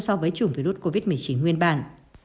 so với chủng virus covid một mươi chín nguyên bản